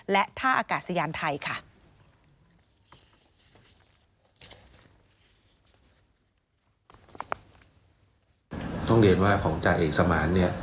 และท่าอากาศยานไทยค่ะ